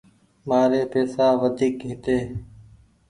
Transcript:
مآري پئيسا وڍيڪ هيتي۔